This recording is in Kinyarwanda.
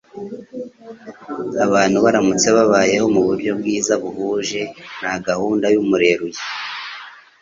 Abantu baramutse babayeho mu buryo bwiza buhuje na gahunda y'Umureruyi